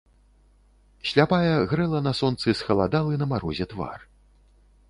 Сляпая грэла на сонцы схаладалы на марозе твар.